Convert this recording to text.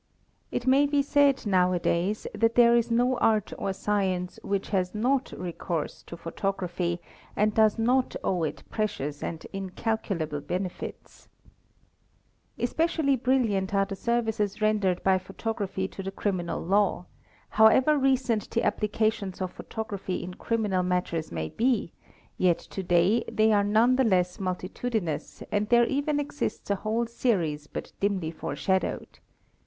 It may be said 10w a days that there is no art or science which has not recourse to Teh ae eet cian: SRE 2 ography and does not owe it precious and incalculable benefits*3—*™. j eae! brilliant are the services rendered by photography to the tinal law ; however recent the applications of photography in criminal :. may be, yet to day they are none the less multitudinous and "e even exists a whole series but dimly foreshadowed.